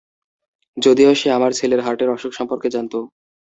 যদিও সে আমার ছেলের হার্টের অসুখ সম্পর্কে জানত।